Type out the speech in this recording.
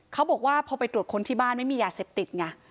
เขาบอกว่าพอไปตรวจค้นที่บ้านไม่มียาเสพติดไง